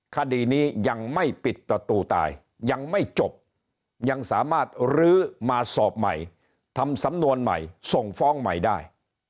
คดีนี้ยังไม่ปิดประตูตายยังไม่จบยังสามารถลื้อมาสอบใหม่ทำสำนวนใหม่ส่งฟ้องใหม่ได้